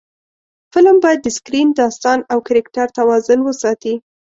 فلم باید د سکرېن، داستان او کرکټر توازن وساتي